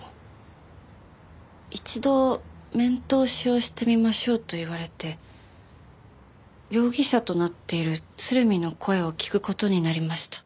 一度面通しをしてみましょうと言われて容疑者となっている鶴見の声を聞く事になりました。